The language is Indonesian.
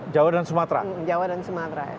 jawa dan sumatera